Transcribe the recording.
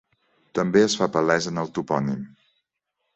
També es fa palès en el topònim.